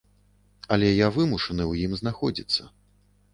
Але я вымушаны ў ім знаходзіцца.